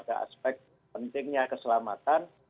aspek pentingnya keselamatan